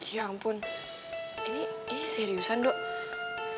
ya ampun ini seriusan dok